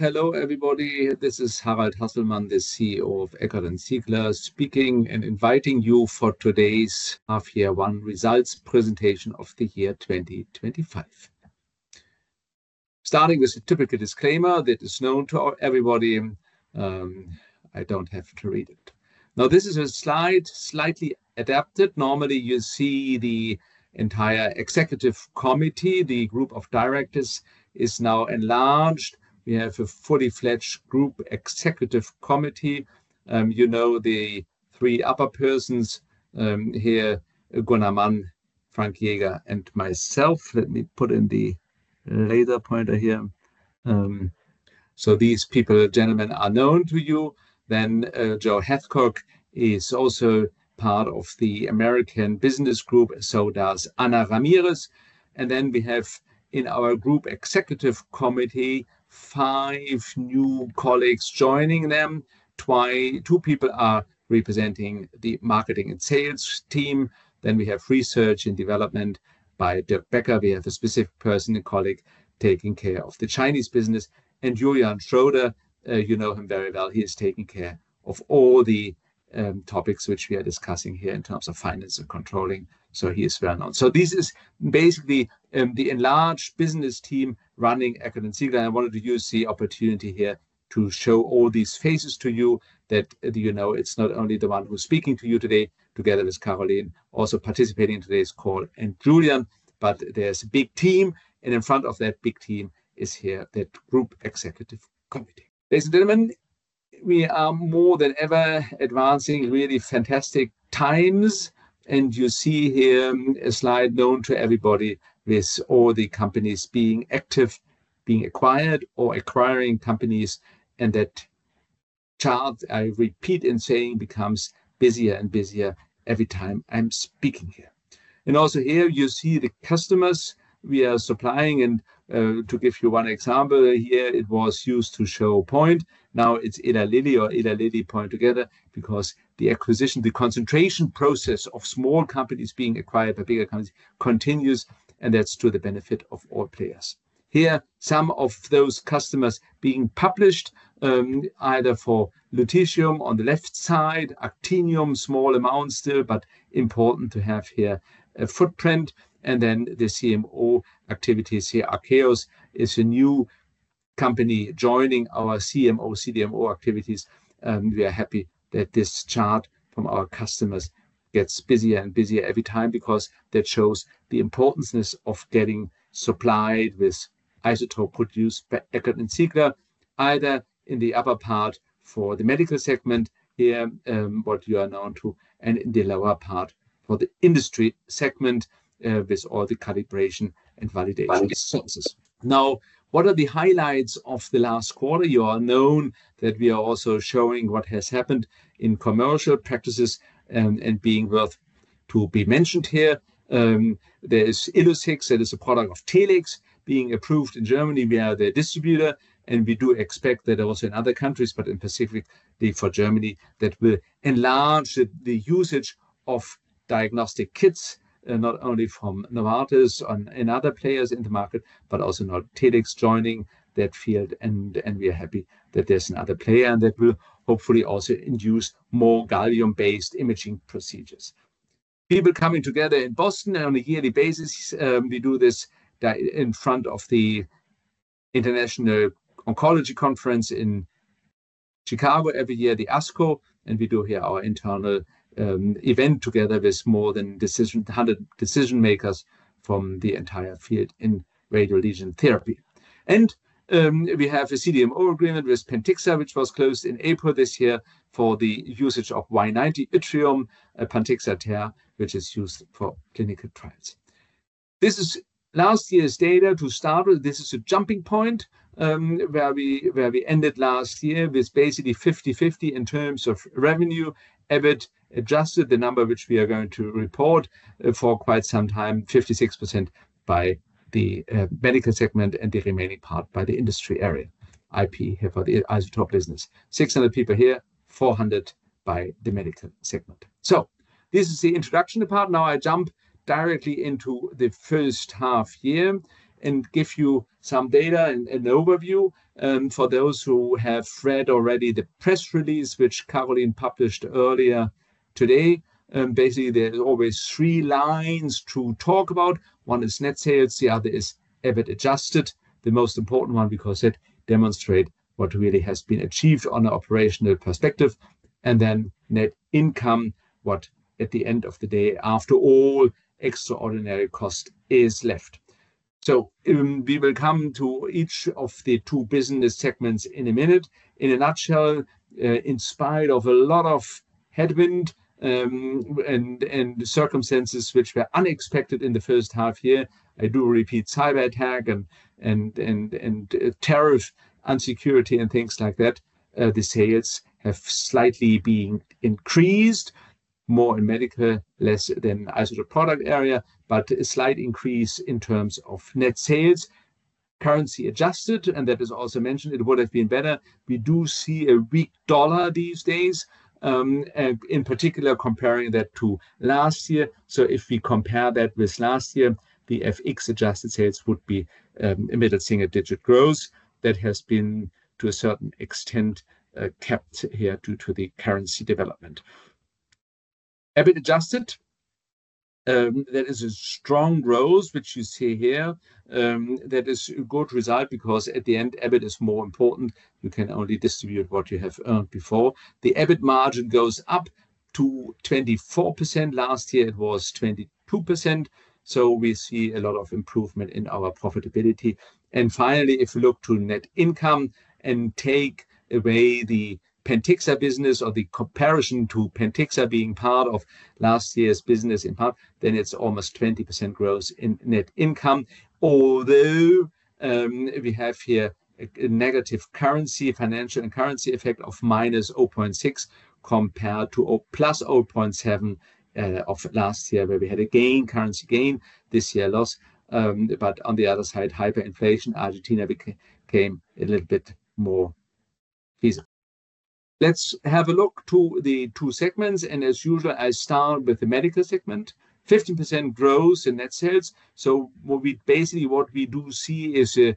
Hello, everybody. This is Harald Hasselmann, the CEO of Eckert & Ziegler, speaking and inviting you for today's half year one results presentation of the year 2025. Starting with a typical disclaimer that is known to everybody, I don't have to read it. Now, this is a slide slightly adapted. Normally, you see the entire executive committee. The group of directors is now enlarged. We have a fully-fledged group executive committee. You know, the three upper persons here, Gunnar Mann, Frank Jäger, and myself. Let me put in the laser pointer here. These people, gentlemen, are known to you. Joe Hathcock is also part of the American business group, so does Ana Ramirez. We have in our group executive committee, five new colleagues joining them. Two people are representing the marketing and sales team. We have research and development by Dirk Becker. We have a specific person and colleague taking care of the Chinese business. Julian Schröder, you know him very well. He is taking care of all the topics which we are discussing here in terms of finance and controlling. He is well known. This is basically the enlarged business team running Eckert & Ziegler. I wanted to use the opportunity here to show all these faces to you that you know it's not only the one who's speaking to you today, together with Caroline, also participating in today's call, and Julian, but there's a big team. In front of that big team is here that group executive committee. Ladies and gentlemen, we are more than ever advancing really fantastic times. You see here a slide known to everybody with all the companies being active, being acquired or acquiring companies. That chart, I repeat in saying, becomes busier and busier every time I'm speaking here. Also here you see the customers we are supplying. To give you one example here, it was used to show a point. Now it's Eli Lilly or Eli Lilly Point Biopharma together because the acquisition, the concentration process of small companies being acquired by bigger companies continues, and that's to the benefit of all players. Here, some of those customers being published, either for lutetium on the left side, actinium, small amounts still, but important to have here a footprint. Then the CMO activities here. Ariceum is a new company joining our CMO/CDMO activities. We are happy that this chart from our customers gets busier and busier every time because that shows the importance of getting supplied with isotope produced by Eckert & Ziegler, either in the upper part for the medical segment here, what you are known to, and in the lower part for the industry segment, with all the calibration and validation services. What are the highlights of the last quarter? You are known that we are also showing what has happened in commercial practices and being worth to be mentioned here. There is Illuccix, that is a product of Telix, being approved in Germany. We are their distributor, we do expect that also in other countries, but in specific for Germany, that will enlarge the usage of diagnostic kits, not only from Novartis and other players in the market, but also now Telix joining that field. We are happy that there's another player, that will hopefully also induce more gallium-based imaging procedures. People coming together in Boston on a yearly basis. We do this in front of the International Oncology conference in Chicago every year, the ASCO, we do here our internal event together with more than 100 decision-makers from the entire field in radioligand therapy. We have a CDMO agreement with Pentixapharm, which was closed in April this year for the usage of Yttrium-90, Pentixapharm there, which is used for clinical trials. This is last year's data to start with. This is a jumping point, where we, where we ended last year with basically 50/50 in terms of revenue, Adjusted EBIT the number which we are going to report for quite some time, 56% by the medical segment and the remaining part by the industry area, IP here for the isotope business. 600 people here, 400 by the medical segment. This is the introduction part. I jump directly into the first half year and give you some data and overview. For those who have read already the press release, which Caroline published earlier today, there's always three lines to talk about. One is net sales, the other is Adjusted EBIT, the most important one because it demonstrate what really has been achieved on an operational perspective. Net income, what at the end of the day, after all extraordinary cost is left. We will come to each of the two business segments in a minute. In a nutshell, in spite of a lot of headwind, and circumstances which were unexpected in the first half year, I do repeat cyberattack and tariff and security and things like that, the sales have slightly been increased more in medical, less than Isotope Products area, but a slight increase in terms of net sales, currency adjusted, and that is also mentioned. It would have been better. We do see a weak dollar these days, in particular comparing that to last year. If we compare that with last year, the FX adjusted sales would be immediate single-digit growth that has been to a certain extent capped here due to the currency development. Adjusted EBIT, there is a strong growth which you see here, that is a good result because at the end EBIT is more important. You can only distribute what you have earned before. The EBIT margin goes up to 24%. Last year it was 22%. We see a lot of improvement in our profitability. Finally, if you look to net income and take away the Pentixapharm business or the comparison to Pentixapharm being part of last year's business in part, then it's almost 20% growth in net income. We have here a negative currency, financial and currency effect of -0.6 compared to 0.7 of last year, where we had a gain, currency gain, this year loss. On the other side, hyperinflation, Argentina became a little bit more feasible. Let's have a look to the two segments. As usual, I start with the medical segment. 15% growth in net sales. Basically what we do see is a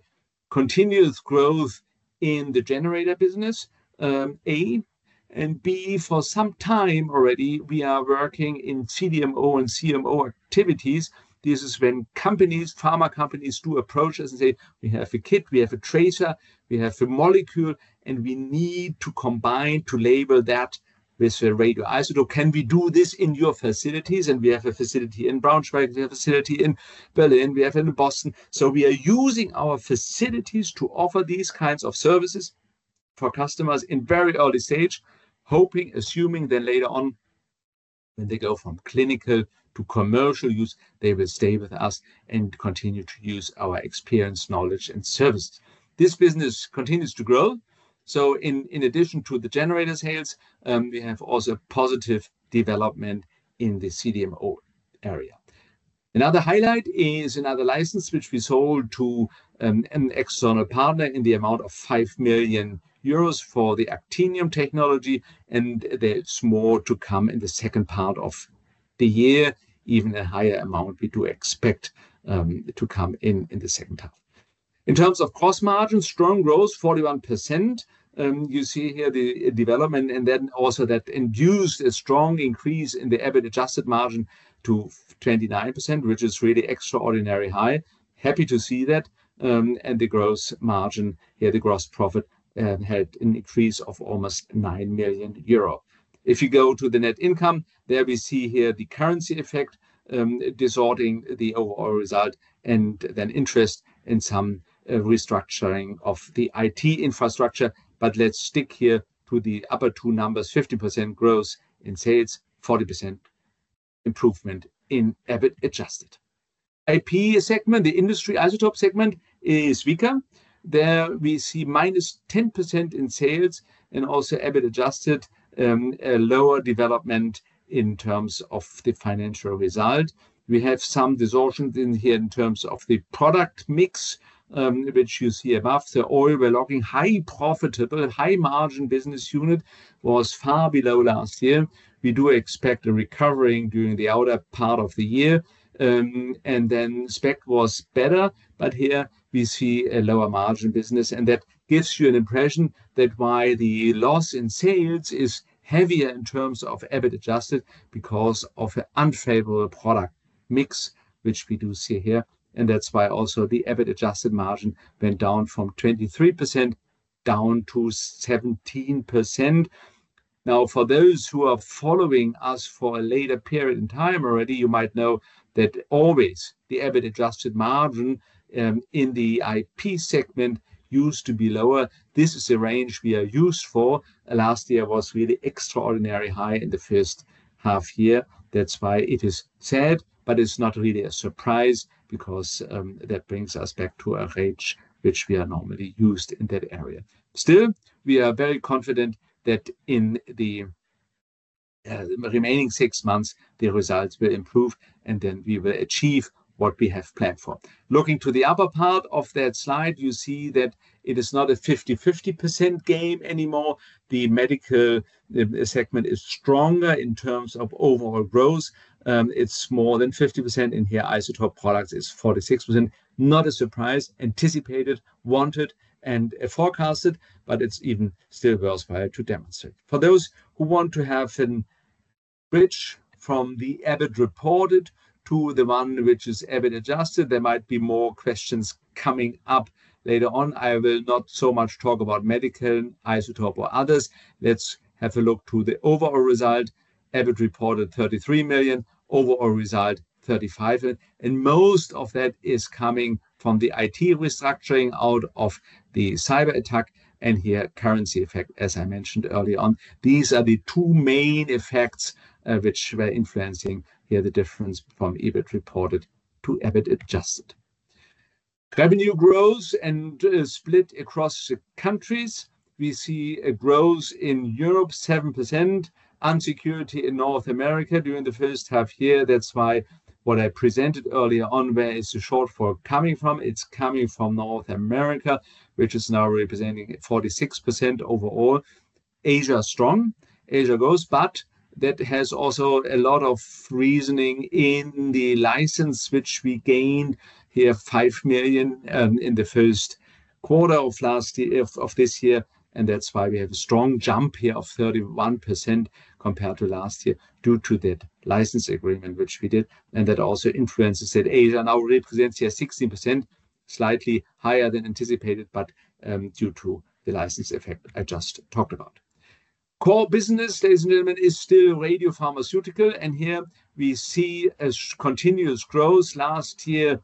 continuous growth in the generator business, A, and B, for some time already, we are working in CDMO and CMO activities. This is when companies, pharma companies do approach us and say, "We have a kit, we have a tracer, we have a molecule, and we need to combine to label that with a radioisotope. Can we do this in your facilities?" We have a facility in Braunschweig, we have a facility in Berlin, we have it in Boston. We are using our facilities to offer these kinds of services for customers in very early stage, hoping, assuming that later on, when they go from clinical to commercial use, they will stay with us and continue to use our experience, knowledge and service. This business continues to grow. In addition to the generators sales, we have also positive development in the CDMO area. Another highlight is another license which we sold to an external partner in the amount of 5 million euros for the actinium technology, and there's more to come in the second part of the year. Even a higher amount we do expect to come in in the second half. In terms of cost margin, strong growth, 41%. You see here the development and then also that induced a strong increase in the Adjusted EBIT margin to 29%, which is really extraordinary high. Happy to see that. The gross margin here, the gross profit, had an increase of almost 9 million euro. If you go to the net income, there we see here the currency effect distorting the overall result and then interest in some restructuring of the IT infrastructure. Let's stick here to the upper two numbers, 15% growth in sales, 40% improvement in Adjusted EBIT. IP segment, the industry isotope segment is weaker. There we see -10% in sales and also Adjusted EBIT, a lower development in terms of the financial result. We have some distortions in here in terms of the product mix, which you see above. The oil well logging high profitable, high margin business unit was far below last year. We do expect a recovery during the outer part of the year. SPECT was better, but here we see a lower margin business and that gives you an impression that why the loss in sales is heavier in terms of Adjusted EBIT because of the unfavorable product mix, which we do see here, and that's why also the Adjusted EBIT margin went down from 23% down to 17%. Now, for those who are following us for a later period in time already, you might know that always the Adjusted EBIT margin in the IP segment used to be lower. This is the range we are used for. Last year was really extraordinary high in the first half-year. That's why it is sad, but it's not really a surprise because that brings us back to a range which we are normally used in that area. Still, we are very confident that in the remaining six months, the results will improve and then we will achieve what we have planned for. Looking to the upper part of that slide, you see that it is not a 50%/50% game anymore. The medical segment is stronger in terms of overall growth. It's more than 50% in here. Isotope Products is 46%. Not a surprise. Anticipated, wanted, and forecasted, but it's even still growth we are to demonstrate. For those who want to have a bridge from the EBIT reported to the one which is Adjusted EBIT, there might be more questions coming up later on. I will not so much talk about medical, isotope or others. Let's have a look to the overall result. EBIT reported 33 million. Overall result, 35. Most of that is coming from the IT restructuring out of the cyberattack and here currency effect, as I mentioned early on. These are the two main effects which were influencing here the difference from EBIT reported to Adjusted EBIT. Revenue growth, split across the countries. We see a growth in Europe, 7%. Unsecurity in North America during the first half year. That's why what I presented earlier on, where is the shortfall coming from? It's coming from North America, which is now representing 46% overall. Asia strong, Asia grows, but that has also a lot of reasoning in the license which we gained here, 5 million in the first quarter of this year. That's why we have a strong jump here of 31% compared to last year due to that license agreement which we did. That also influences that Asia now represents here 16%, slightly higher than anticipated, but due to the license effect I just talked about. Core business, ladies and gentlemen, is still radiopharmaceutical, and here we see a continuous growth. Last year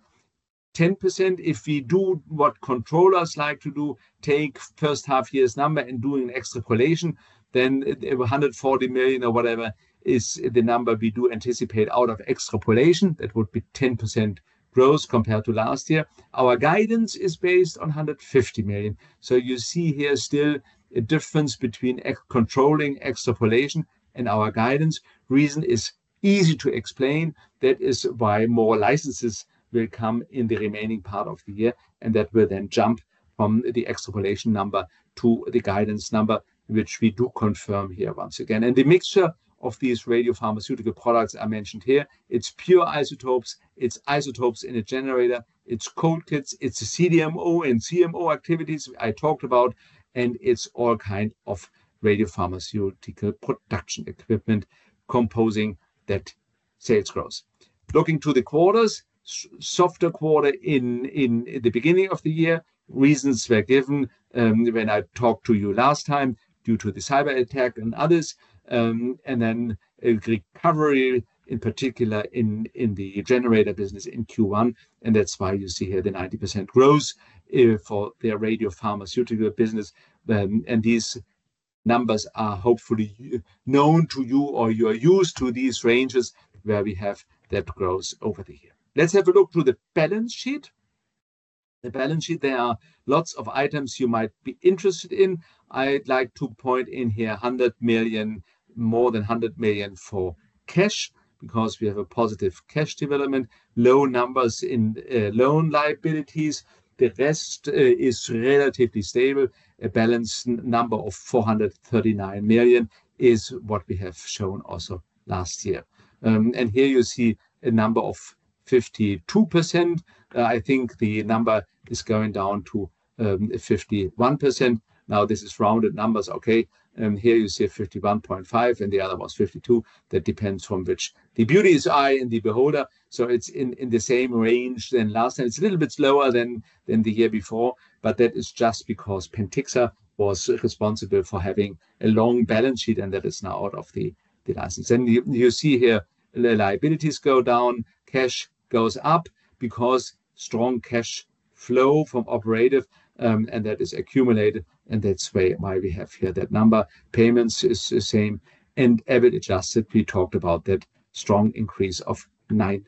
10%. If we do what controllers like to do, take first half year's number and do an extrapolation, then 140 million or whatever is the number we do anticipate out of extrapolation. That would be 10% growth compared to last year. Our guidance is based on 150 million. You see here still a difference between ex- controlling extrapolation and our guidance. Reason is easy to explain. That is why more licenses will come in the remaining part of the year, that will then jump from the extrapolation number to the guidance number, which we do confirm here once again. The mixture of these radiopharmaceutical products are mentioned here. It's pure isotopes, it's isotopes in a generator, it's cold kits, it's the CDMO and CMO activities I talked about, and it's all kind of radiopharmaceutical production equipment composing that sales growth. Looking to the quarters, softer quarter in the beginning of the year. Reasons were given when I talked to you last time due to the cyberattack and others. A recovery in particular in the generator business in Q1, and that's why you see here the 90% growth for the radiopharmaceutical business. These numbers are hopefully known to you or you are used to these ranges where we have that growth over the year. Let's have a look to the balance sheet. The balance sheet, there are lots of items you might be interested in. I'd like to point in here 100 million, more than 100 million for cash because we have a positive cash development. Low numbers in loan liabilities. The rest is relatively stable. A balance number of 439 million is what we have shown also last year. Here you see a number of 52%. I think the number is going down to 51%. This is rounded numbers, okay. Here you see 51.5%, the other was 52%. That depends from which. The beauty is eye in the beholder; it's in the same range than last time. It's a little bit lower than the year before, that is just because Pentixapharm was responsible for having a long balance sheet, that is now out of the license. You see here the liabilities go down, cash goes up because strong cash flow from operative, that is accumulated, that's why we have here that number. Payments is the same. Adjusted EBIT, we talked about that strong increase of 9%.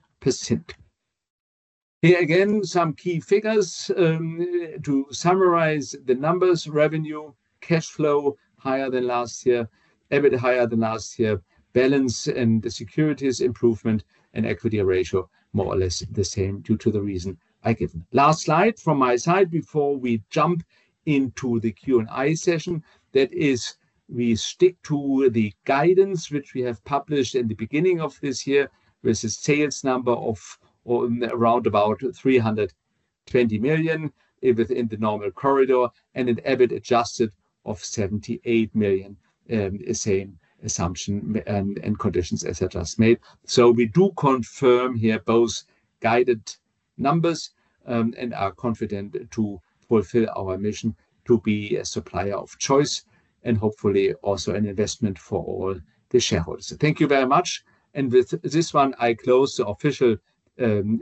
Here again, some key figures to summarize the numbers. Revenue, cash flow higher than last year, EBIT higher than last year, balance and the securities improvement and equity ratio more or less the same due to the reason I given. Last slide from my side before we jump into the Q&A session. That is we stick to the guidance which we have published at the beginning of this year with a sales number of around about 320 million within the normal corridor and an Adjusted EBIT of 78 million, same assumption and conditions as I just made. We do confirm here both guided numbers and are confident to fulfill our mission to be a supplier of choice and hopefully also an investment for all the shareholders. Thank you very much. With this one I close the official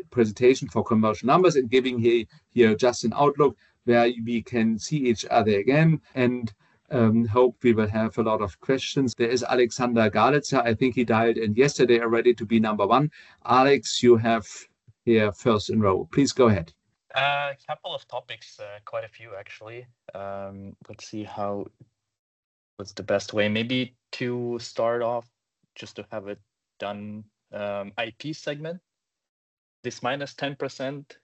presentation for commercial numbers and giving here just an outlook where we can see each other again and hope we will have a lot of questions. There is Alexander Galitsa. I think he dialed in yesterday, ready to be number one. Alex, you have here first in row. Please go ahead. A couple of topics, quite a few actually. What's the best way? Maybe to start off, just to have it done, IP Segment. This -10%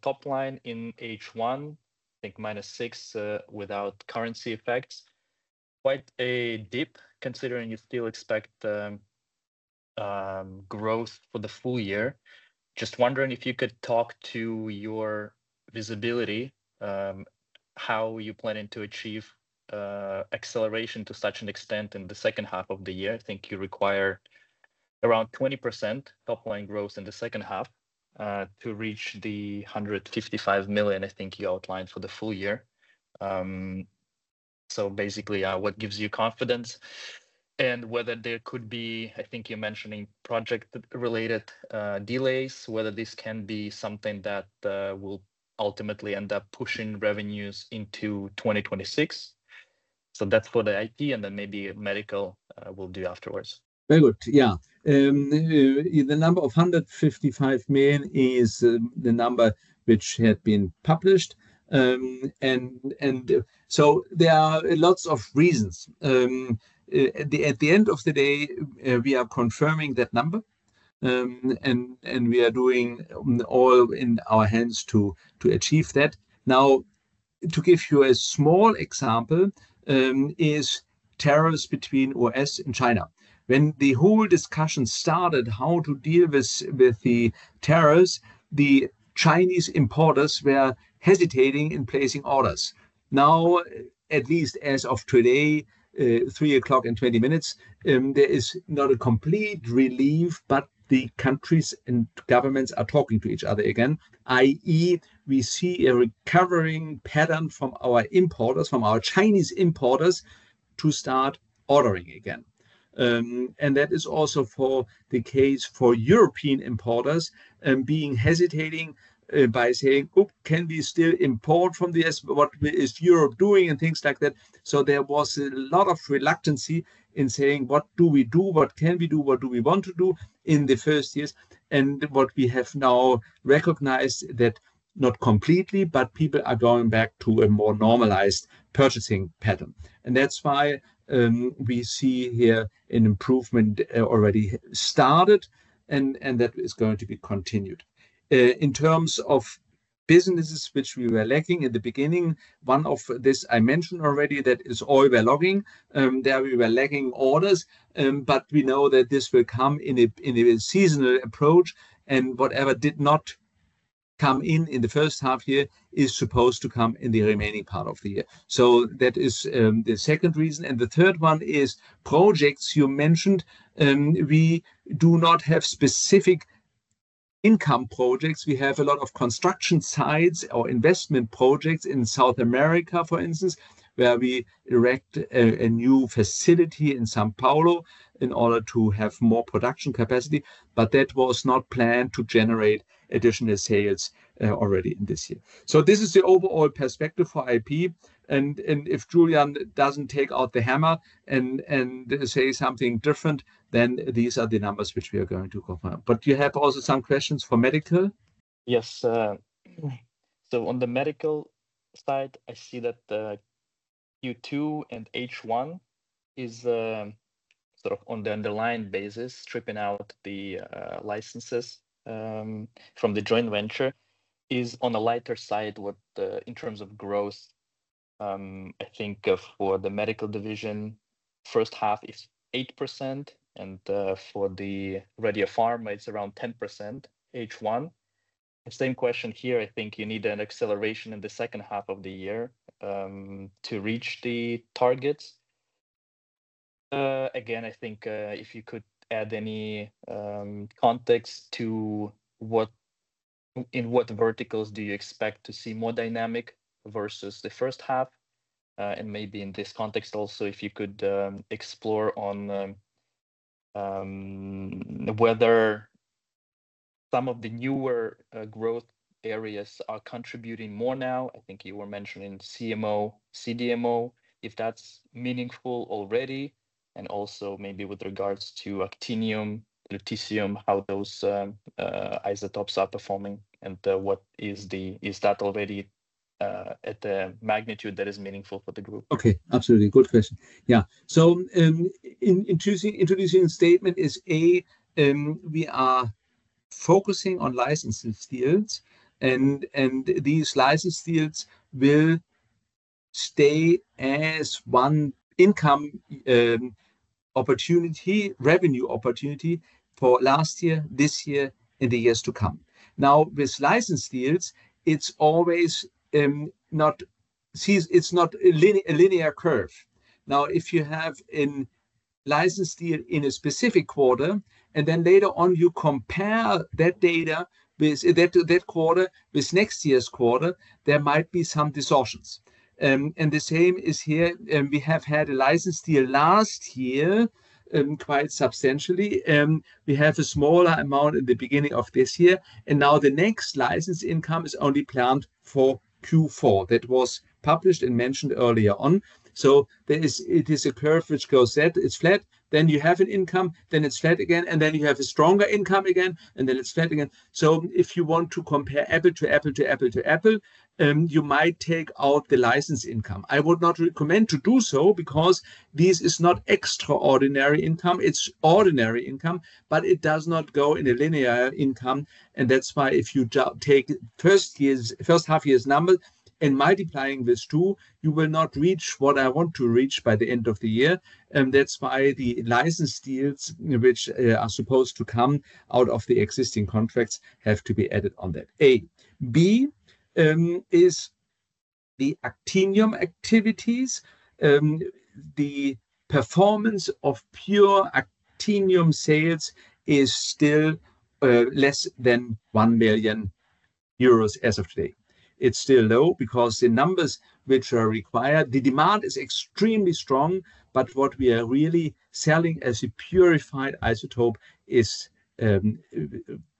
top line in H1, I think -6%, without currency effects, quite a dip considering you still expect growth for the full year. Just wondering if you could talk to your visibility, how you planning to achieve acceleration to such an extent in the second half of the year. I think you require around 20% top line growth in the second half, to reach the 155 million I think you outlined for the full year. Basically, what gives you confidence and whether there could be, I think you're mentioning project related, delays, whether this can be something that will ultimately end up pushing revenues into 2026. That's for the IP, and then maybe medical, we'll do afterwards. Very good. Yeah. The number of 155 million is the number which had been published. There are lots of reasons. At the end of the day, we are confirming that number. We are doing all in our hands to achieve that. Now, to give you a small example, is tariffs between U.S. and China. When the whole discussion started how to deal with the tariffs, the Chinese importers were hesitating in placing orders. Now, at least as of today, 3:20 P.M., there is not a complete relief, but the countries and governments are talking to each other again, i.e. we see a recovering pattern from our importers, from our Chinese importers to start ordering again. That is also for the case for European importers being hesitating by saying, "Oh, can we still import from this? What is Europe doing?" Things like that. There was a lot of reluctancy in saying, "What do we do? What can we do? What do we want to do?" in the first years. What we have now recognized that not completely, but people are going back to a more normalized purchasing pattern. That's why we see here an improvement already started and that is going to be continued. In terms of businesses which we were lacking in the beginning, one of this I mentioned already, that is oil well logging. There we were lagging orders, but we know that this will come in a seasonal approach, and whatever did not come in in the first half year is supposed to come in the remaining part of the year. That is the second reason. The third one is projects you mentioned. We do not have specific income projects. We have a lot of construction sites or investment projects in South America, for instance, where we erect a new facility in São Paulo in order to have more production capacity, but that was not planned to generate additional sales already in this year. This is the overall perspective for IP, and if Julian doesn't take out the hammer and say something different, then these are the numbers which we are going to confirm. You have also some questions for medical? Yes. On the medical side, I see that Q2 and H1 is sort of on the underlying basis, stripping out the licenses from the joint venture is on the lighter side in terms of growth. I think for the medical division, first half is 8%, for the Radiopharma, it's around 10% H1. The same question here, I think you need an acceleration in the second half of the year to reach the targets. Again, I think if you could add any context to in what verticals do you expect to see more dynamic versus the first half? Maybe in this context also, if you could explore on whether some of the newer growth areas are contributing more now. I think you were mentioning CMO, CDMO, if that's meaningful already, and also maybe with regards to actinium, lutetium, how those isotopes are performing and is that already at the magnitude that is meaningful for the group? Absolutely. Good question. Yeah. In introducing statement is A, we are focusing on license deals, and these license deals will stay as one income opportunity, revenue opportunity for last year, this year, and the years to come. With license deals, it's always, it's not a linear curve. If you have a license deal in a specific quarter, then later on you compare that data with that quarter with next year's quarter, there might be some distortions. The same is here. We have had a license deal last year, quite substantially. We have a smaller amount at the beginning of this year. Now the next license income is only planned for Q4. That was published and mentioned earlier on. It is a curve which goes that. It's flat, then you have an income, then it's flat again, and then you have a stronger income again, and then it's flat again. If you want to compare apple to apple to apple to apple, you might take out the license income. I would not recommend to do so because this is not extraordinary income, it's ordinary income, but it does not go in a linear income. That's why if you take first half year's number and multiplying with two, you will not reach what I want to reach by the end of the year. That's why the license deals which are supposed to come out of the existing contracts have to be added on that. A. B, is the actinium activities. The performance of pure actinium sales is still less than 1 million euros as of today. It is still low because the numbers which are required, the demand is extremely strong, but what we are really selling as a purified isotope is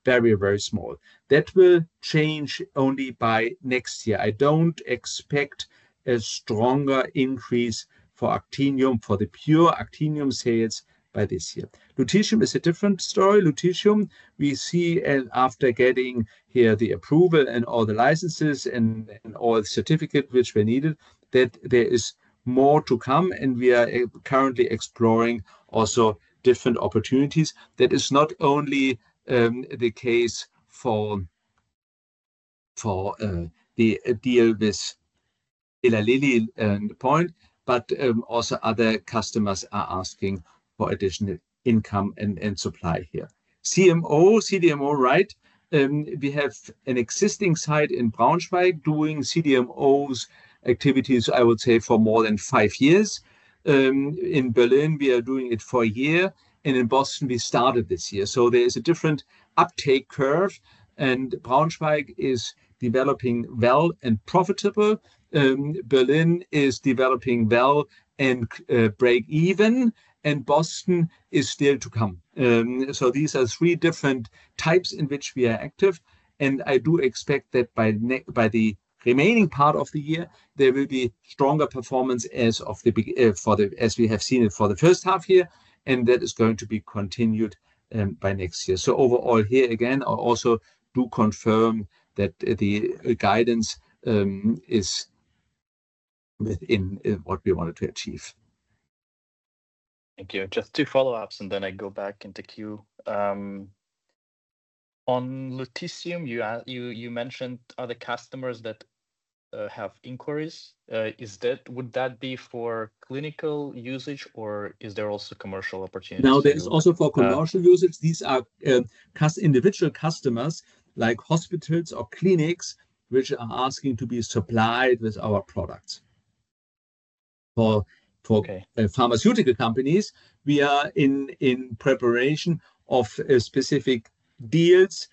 very, very small. That will change only by next year. I do not expect a stronger increase for actinium, for the pure actinium sales by this year. Lutetium is a different story. Lutetium, we see after getting here the approval and all the licenses and all the certificate which were needed, that there is more to come, and we are currently exploring also different opportunities. That is not only the case for the deal with Eli Lilly and Point, but also other customers are asking for additional income and supply here. CMO, CDMO, right. We have an existing site in Braunschweig doing CDMO's activities, I would say for more than five years. In Berlin, we are doing it for one year, and in Boston, we started this year. There is a different uptake curve, and Braunschweig is developing well and profitable. Berlin is developing well and break even, and Boston is still to come. These are three different types in which we are active, and I do expect that by the remaining part of the year, there will be stronger performance as of the for the as we have seen it for the first half year, and that is going to be continued by next year. Overall, here, again, I also do confirm that the guidance is within what we wanted to achieve. Thank you. Just two follow-ups, then I go back in the queue. On lutetium you mentioned other customers that have inquiries. Would that be for clinical usage, or is there also commercial opportunities here? No, that is also for commercial usage. These are individual customers like hospitals or clinics which are asking to be supplied with our products. Okay... pharmaceutical companies, we are in preparation of specific deals,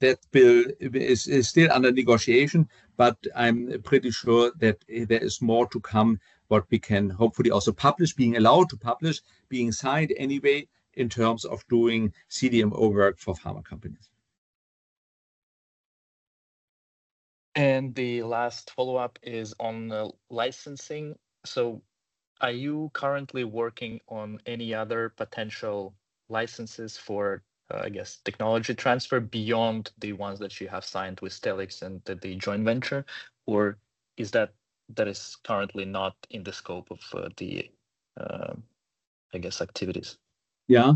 and that bill is still under negotiation. I'm pretty sure that there is more to come. We can hopefully also publish, being allowed to publish, being signed anyway in terms of doing CDMO work for pharma companies. The last follow-up is on the licensing. Are you currently working on any other potential licenses for, I guess technology transfer beyond the ones that you have signed with Telix and the joint venture? Is that currently not in the scope of, the, I guess, activities? Yeah.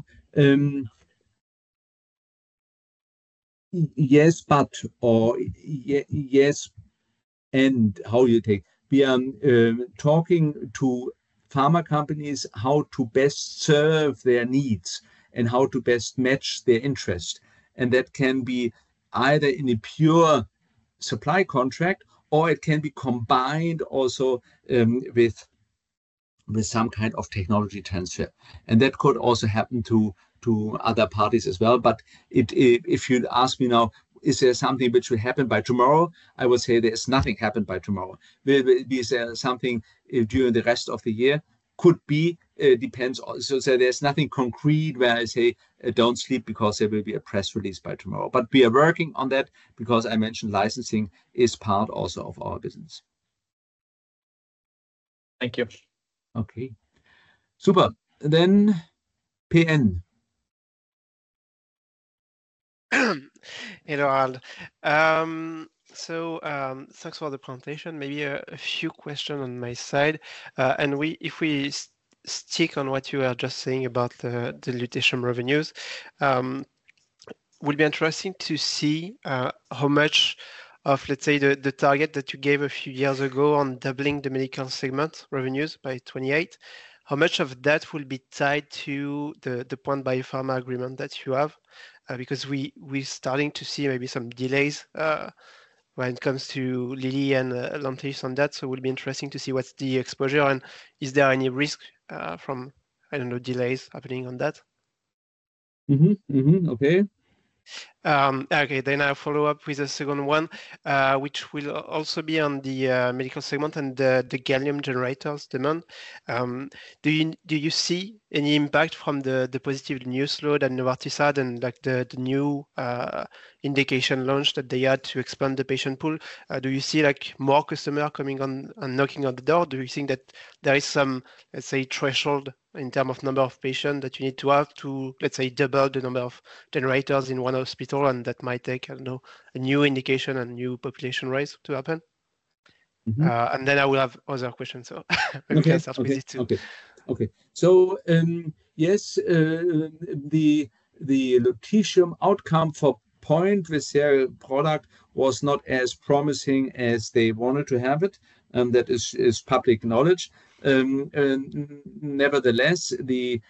Yes, and how you take. We are talking to pharma companies how to best serve their needs and how to best match their interest. That can be either in a pure supply contract or it can be combined also with some kind of technology transfer. That could also happen to other parties as well. If, if you'd ask me now, is there something which will happen by tomorrow? I would say there's nothing happen by tomorrow. Will there be something during the rest of the year? Could be. Depends also. There's nothing concrete where I say, "Don't sleep because there will be a press release by tomorrow." We are working on that because I mentioned licensing is part also of our business. Thank you. Okay. Super. PN. Hey, Harald. Thanks for the presentation. Maybe a few question on my side. If we stick on what you are just saying about the lutetium revenues, would be interesting to see how much of, let's say, the target that you gave a few years ago on doubling the medical segment revenues by 2028, how much of that will be tied to the Point Biopharma agreement that you have? Because we're starting to see maybe some delays when it comes to Lilly and Lantheus on that. It would be interesting to see what's the exposure and is there any risk from delays happening on that? Mm-hmm. Mm-hmm. Okay. Okay. I'll follow up with a second one, which will also be on the medical segment and the gallium generators demand. Do you see any impact from the positive news load that Novartis had and the new indication launch that they had to expand the patient pool? Do you see more customer coming on and knocking on the door? Do you think that there is some threshold in term of number of patient that you need to have to double the number of generators in one hospital, and that might take, I don't know, a new indication and new population rise to happen? Mm-hmm. Then I will have other questions, so I guess after these two. Okay. Okay. Okay. Yes, the lutetium outcome for Point with their product was not as promising as they wanted to have it, that is public knowledge. Nevertheless, the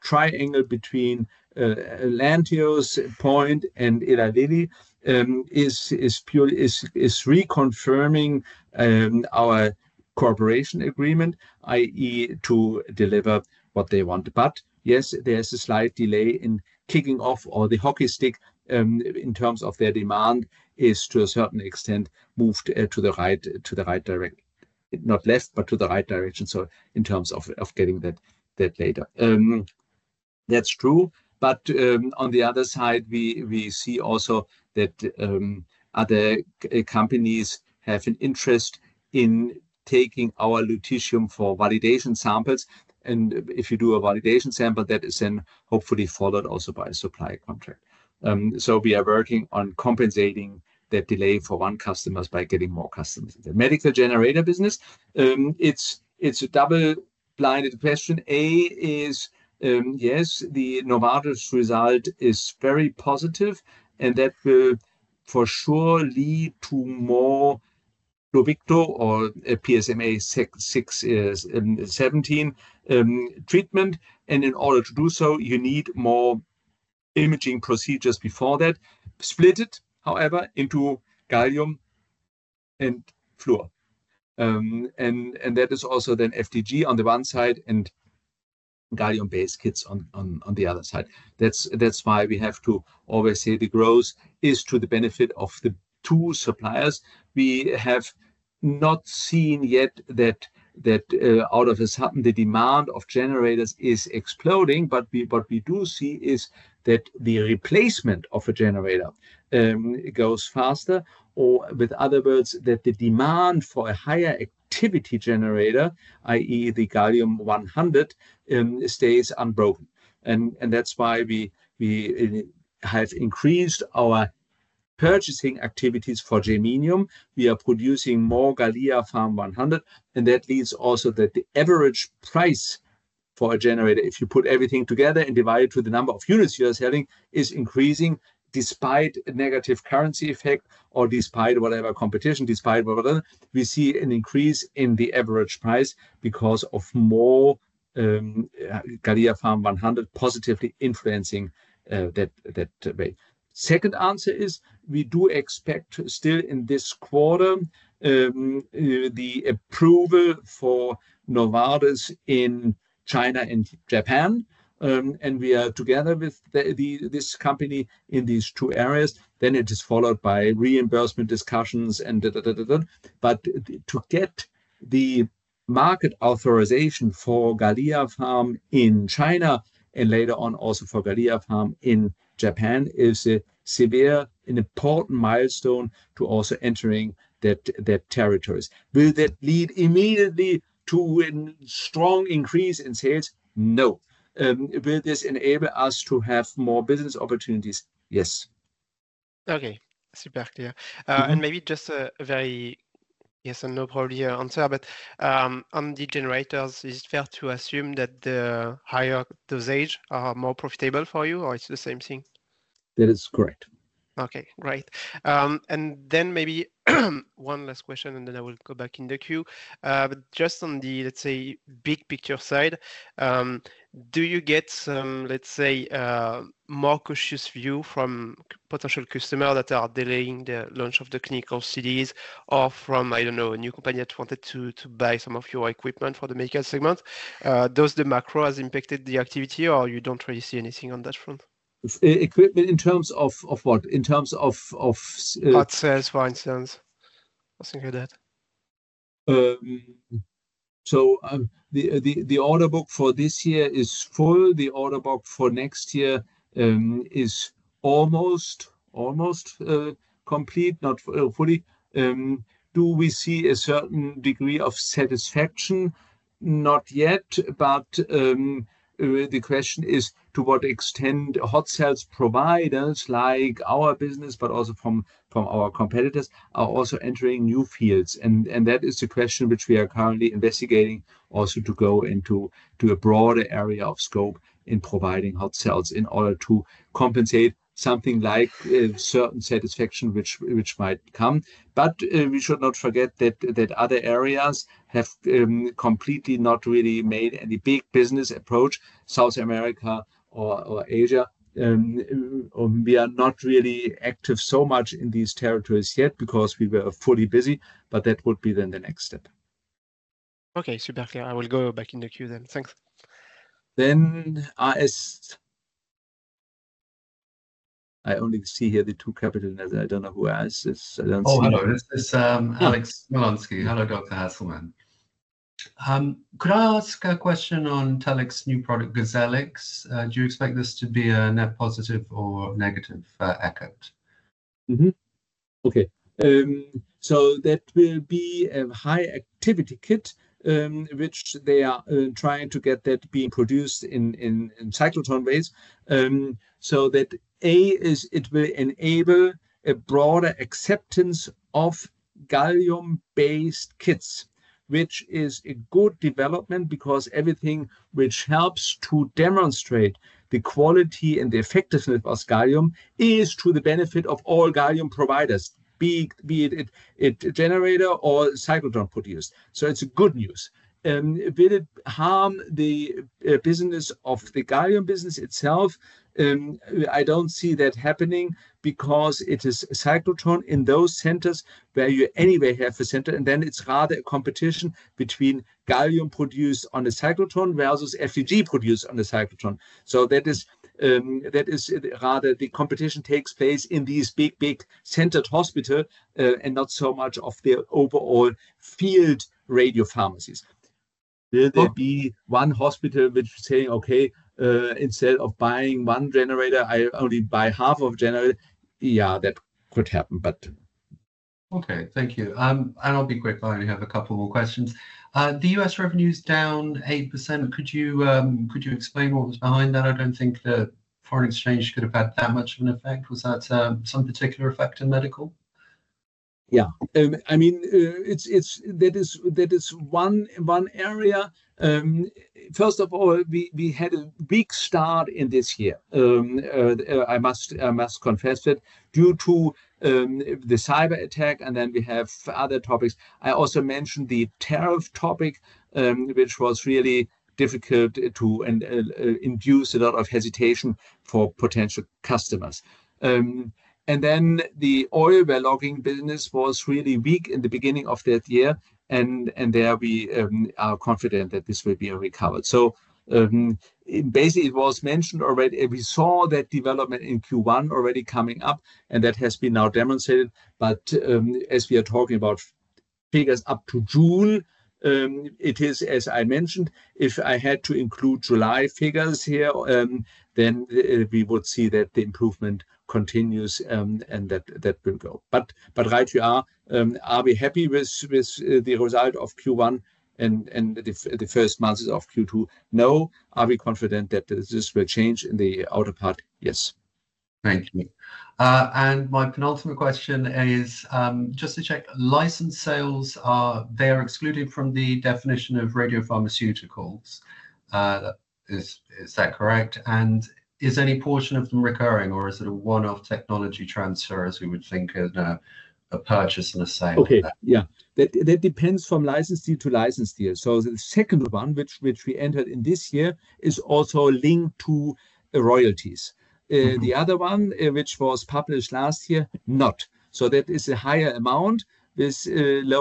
triangle between Lantheus, Point, and Eli Lilly is reconfirming our cooperation agreement, i.e. to deliver what they want. Yes, there's a slight delay in kicking off or the hockey stick in terms of their demand is to a certain extent moved to the right, not left, but to the right direction, in terms of getting that data. That's true, but on the other side, we see also that other companies have an interest in taking our lutetium for validation samples. If you do a validation sample, that is then hopefully followed also by a supply contract. We are working on compensating that delay for one customer by getting more customers. The medical generator business, it's a double-Blind question. A is, yes, the Novartis result is very positive, and that will for sure lead to more Pluvicto or PSMA-617 treatments. In order to do so, you need more imaging procedures before that. Split it, however, into gallium and fluor. And that is also then FDG on the one side and gallium-based kits on the other side. That's why we have to always say the growth is to the benefit of the two suppliers. We have not seen yet that all of a sudden, the demand of generators is exploding. We do see is that the replacement of a generator goes faster, or with other words, that the demand for a higher activity generator, i.e. the gallium 100, stays unbroken. That's why we have increased our purchasing activities for germanium. We are producing more GalliaPharm 100, and that leads also that the average price for a generator, if you put everything together and divide it with the number of units you are selling, is increasing despite negative currency effect or despite whatever competition, despite whatever. We see an increase in the average price because of more GalliaPharm 100 positively influencing that way. Second answer is, we do expect still in this quarter the approval for Novartis in China and Japan, and we are together with this company in these two areas. It is followed by reimbursement discussions. To get the market authorization for GalliaPharm in China and later on also for GalliaPharm in Japan is a severe and important milestone to also entering that territories. Will that lead immediately to a strong increase in sales? No. Will this enable us to have more business opportunities? Yes. Okay. Super clear. Mm-hmm. Maybe just a very yes or no probably answer, on the generators, is it fair to assume that the higher dosage are more profitable for you, or it's the same thing? That is correct. Okay, great. Maybe one last question, and then I will go back in the queue. Just on the let's say big picture side, do you get some let's say more cautious view from potential customer that are delaying the launch of the clinical studies or from, I don't know, a new company that wanted to buy some of your equipment for the maker segment? Does the macro has impacted the activity, or you don't really see anything on that front? In terms of what? Hot cells, for instance. Something like that. The order book for this year is full. The order book for next year is almost complete, not fully. Do we see a certain degree of satisfaction? Not yet, the question is to what extent hot cells providers like our business, but also from our competitors, are also entering new fields. That is the question which we are currently investigating also to go into a broader area of scope in providing hot cells in order to compensate something like a certain satisfaction which might come. We should not forget that other areas have completely not really made any big business approach, South America or Asia. We are not really active so much in these territories yet because we were fully busy, but that would be then the next step. Okay, super clear. I will go back in the queue then. Thanks. As I only see here the two capital letters. I don't know who asked this. I don't see. Hello. This is Alexander Galitsa. Hello, Dr. Hasselmann. Could I ask a question on Telix new product, Gozellix? Do you expect this to be a net positive or negative outcome? Okay. That will be a high activity kit, which they are trying to get that being produced in cyclotron base. That will enable a broader acceptance of gallium-based kits, which is a good development because everything which helps to demonstrate the quality and the effectiveness of gallium is to the benefit of all gallium providers, be it generator or cyclotron produced. It's good news. Will it harm the business of the gallium business itself? I don't see that happening because it is a cyclotron in those centers where you anyway have a center, and then it's rather a competition between gallium produced on a cyclotron versus FDG produced on a cyclotron. That is rather the competition takes place in these big, centered hospital, and not so much of the overall field radiopharmacies. Will there be one hospital which is saying, "Okay, instead of buying one generator, I only buy half of generator?" Yeah, that could happen. Okay. Thank you. I'll be quick. I only have a couple more questions. The U.S. revenue's down 8%. Could you, could you explain what was behind that? I don't think the foreign exchange could have had that much of an effect. Was that some particular effect in medical? Yeah. I mean, That is one area. First of all, we had a weak start in this year. I must confess it, due to the cyberattack, and then we have other topics. I also mentioned the tariff topic, which was really difficult to and induce a lot of hesitation for potential customers. And then the oil well logging business was really weak in the beginning of that year and there we are confident that this will be recovered. Basically, it was mentioned already, and we saw that development in Q1 already coming up, and that has been now demonstrated. As we are talking about figures up to June, it is as I mentioned, if I had to include July figures here, then we would see that the improvement continues and that will go. Right, you are we happy with the result of Q1 and the first months of Q2? No. Are we confident that this will change in the outer part? Yes. Thank you. My penultimate question is, just to check, license sales are excluded from the definition of radiopharmaceuticals. Is that correct? Is any portion of them recurring or is it a one-off technology transfer, as we would think of a purchase and a sale like that? Okay. Yeah. That depends from license deal to license deal. The second one, which we entered in this year, is also linked to royalties. Mm-hmm. The other one, which was published last year. That is a higher amount with no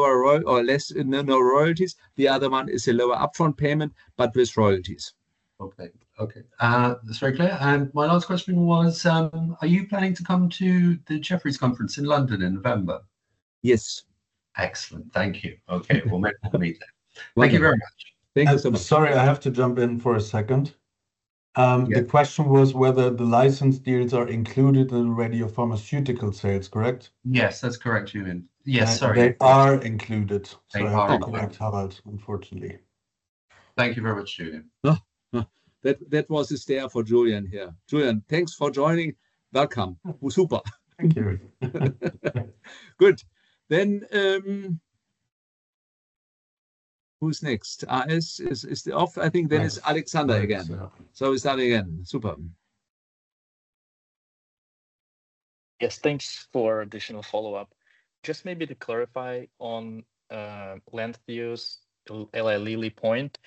royalties. The other one is a lower upfront payment, but with royalties. Okay. Okay. That's very clear. My last question was, are you planning to come to the Jefferies conference in London in November? Yes. Excellent. Thank you. Okay. We'll make the meeting. Thank you very much. Thank you so much. Sorry, I have to jump in for a second. Yeah. The question was whether the license deals are included in radiopharmaceutical sales, correct? Yes, that's correct, Julian. Yes, sorry. They are included. I have to correct Harald, unfortunately. Thank you very much, Julian. No, no. That was his stay for Julian here. Julian, thanks for joining. Welcome. Super. Thank you. Good. Who's next? Is it off? I think that is Alexander again. Alexander. We start again. Super. Yes. Thanks for additional follow-up. Just maybe to clarify on Lantheus to Eli Lilly point,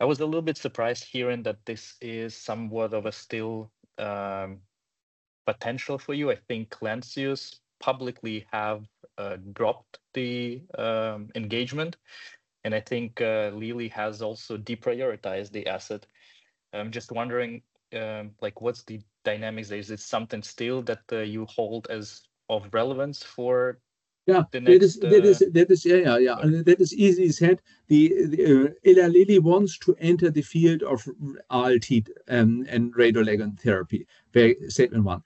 I was a little bit surprised hearing that this is somewhat of a still potential for you. I think Lantheus publicly have dropped the engagement, and I think Eli Lilly has also deprioritized the asset. I'm just wondering, like, what's the dynamics? Is it something still that you hold as of relevance for- Yeah. The next. That is easy said. Eli Lilly wants to enter the field of RT and radioligand therapy. Statement one.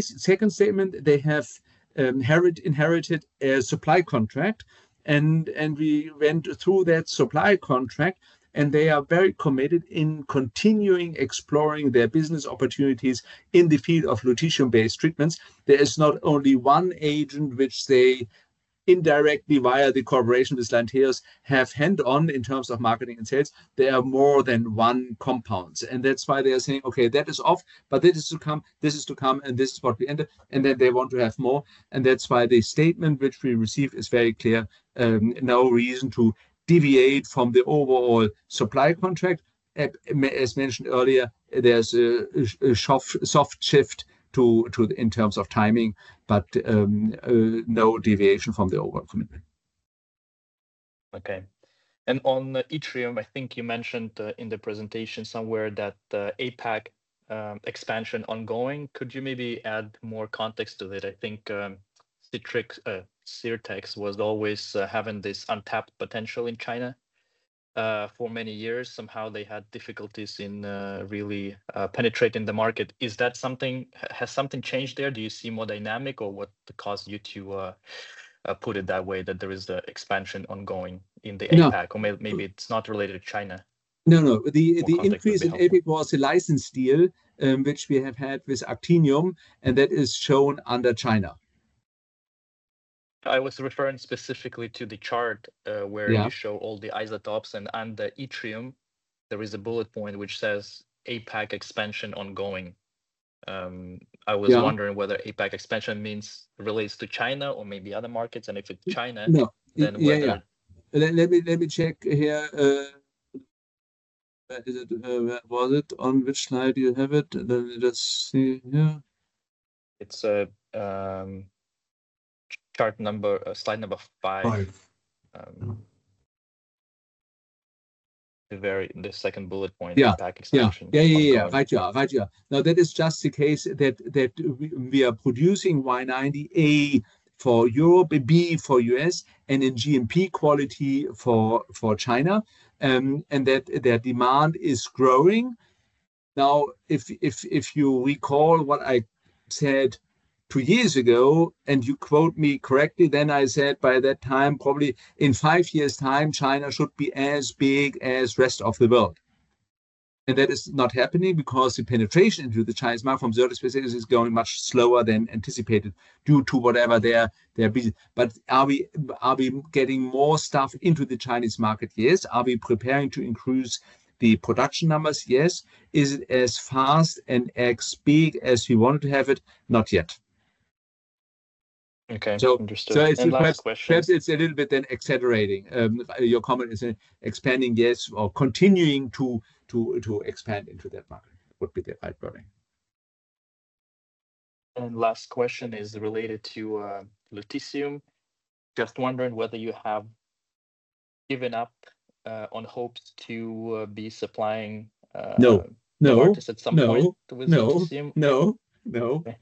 Second statement, they have inherited a supply contract and we went through that supply contract, and they are very committed in continuing exploring their business opportunities in the field of lutetium-based treatments. There is not only one agent which they indirectly, via the cooperation with Lantheus, have hand on in terms of marketing and sales. They have more than one compounds, that's why they are saying, Okay, that is off, but this is to come, and this is what we enter. Then they want to have more, that's why the statement which we receive is very clear, no reason to deviate from the overall supply contract. As mentioned earlier, there's a soft shift to in terms of timing, but no deviation from the overall commitment. Okay. On the yttrium, I think you mentioned in the presentation somewhere that APAC expansion ongoing. Could you maybe add more context to that? I think Sirtex was always having this untapped potential in China for many years. They had difficulties in really penetrating the market. Is that something? Has something changed there? Do you see more dynamic or what caused you to put it that way, that there is the expansion ongoing in the APAC? No. Maybe it's not related to China. No, no. More context would be helpful. The increase in APAC was a license deal, which we have had with Actinium, and that is shown under China. I was referring specifically to the chart. Yeah.... where you show all the isotopes and under yttrium, there is a bullet point which says, "APAC expansion ongoing. Yeah.... wondering whether APAC expansion means relates to China or maybe other markets, and if it's? No. Then. Yeah. Let me check here. Where is it? Where was it? On which slide do you have it? Let's see here. It's chart number, slide number five. Five. The second bullet point. Yeah. APAC expansion. Yeah. Ongoing. Yeah, yeah. Right you are. Right you are. That is just the case that we are producing Yttrium-90, A, for Europe, and B for the U.S., and in GMP quality for China, and that their demand is growing. If you recall what I said two years ago, and you quote me correctly, then I said, by that time, probably in five years' time, China should be as big as rest of the world. That is not happening because the penetration into the Chinese market from SIR-Spheres precisely is going much slower than anticipated due to whatever their bus. Are we getting more stuff into the Chinese market? Yes. Are we preparing to increase the production numbers? Yes. Is it as fast and as big as we want to, have it? Not yet. Okay. So- Understood. Last question. It's, perhaps, it's a little bit then exaggerating, your comment. Is it expanding? Yes. Continuing to expand into that market would be the right wording. Last question is related to lutetium. Just wondering whether you have given up on hopes to be supplying? No. No. At some point. No With lutetium? No. No. No. Okay.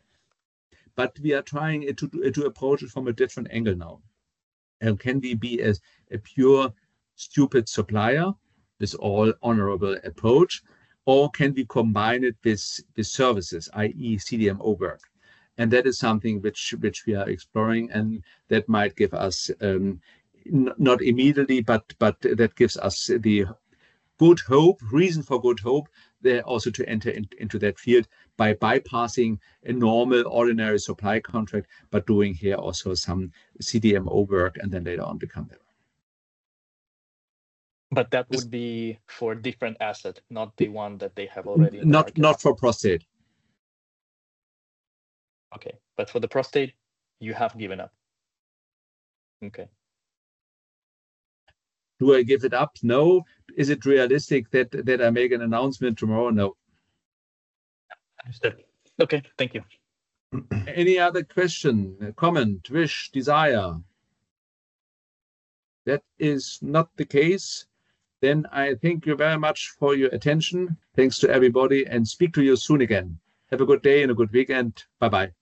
We are trying it to approach it from a different angle now. Can we be as a pure stupid supplier, this all honorable approach, or can we combine it with the services, i.e., CDMO work? That is something which we are exploring, and that might give us, not immediately, but that gives us the good hope, reason for good hope there also to enter into that field by bypassing a normal ordinary supply contract, but doing here also some CDMO work, and then later on become there. That would be for a different asset, not the one that they have already. Not, not for prostate. Okay. For the prostate, you have given up? Okay. Do I give it up? No. Is it realistic that I make an announcement tomorrow? No. Understood. Okay. Thank you. Any other question, comment, wish, desire? That is not the case. I thank you very much for your attention. Thanks to everybody, and speak to you soon again. Have a good day and a good weekend. Bye-bye.